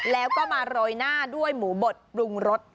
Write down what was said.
แล้วก็มาโรยหน้าด้วยหมูบดปรุงรส